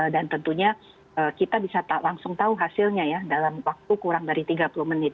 dan tentunya kita bisa langsung tahu hasilnya ya dalam waktu kurang dari tiga puluh menit